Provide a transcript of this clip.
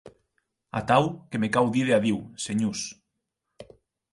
Atau que me cau díder adiu, senhors.